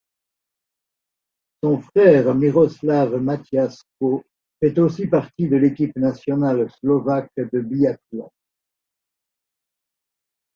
Son frère Miroslav Matiaško fait aussi partie de l'équipe nationale slovaque de biathlon.